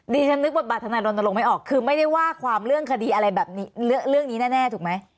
ดิฉันนึกบทบาททนายรณรงค์ไม่ออกคือไม่ได้ว่าความเรื่องคดีอะไรแบบนี้เรื่องนี้แน่ถูกไหม